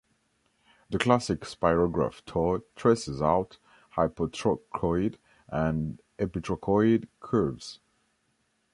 The classic Spirograph toy traces out hypotrochoid and epitrochoid curves.